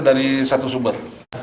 dari satu sumber